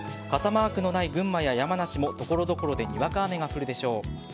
傘マークのない群馬や山梨も所々でにわか雨が降るでしょう。